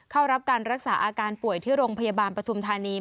เข้ารับการรักษาอาการป่วยที่โรงพยาบาลปฐุมธานี